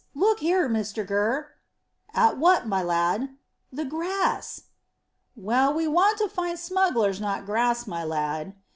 Look here, Mr Gurr." "What at, my lad?" "The grass." "Well, we want to find smugglers, not grass, my lad."